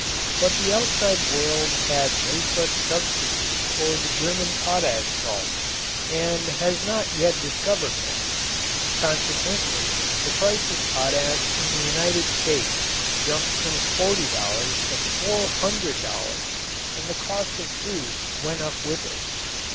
But the outside world had no such substitute for the German potash salts and has not yet discovered one. Consequently the price of potash in the United States jumped from $40 to $400 and the cost of food went up with it.